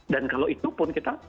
dan kalau itu pun kita